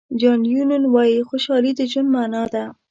جان لینون وایي خوشحالي د ژوند معنا ده.